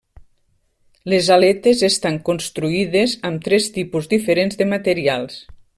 Les aletes estan construïdes amb tres tipus diferents de materials.